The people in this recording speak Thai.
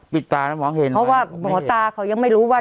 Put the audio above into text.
เพราะว่าหมอตาเขายังไม่รู้ว่า